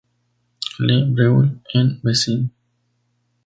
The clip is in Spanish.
Le Breuil-en-Bessin